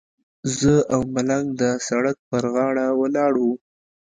زه او ملنګ د سړک پر غاړه ولاړ وو.